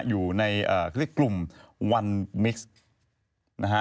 อยู่ในกลุ่มวันมิกซ์นะฮะ